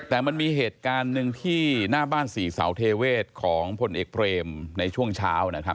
แต่มันมีเหตุการณ์หนึ่งที่หน้าบ้านสี่เสาเทเวศของพลเอกเบรมในช่วงเช้า